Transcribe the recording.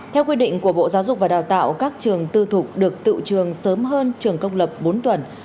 theo quy định của bộ giáo dục và đào tạo các trường tư thục được tự trường sớm hơn trường công lập bốn tuần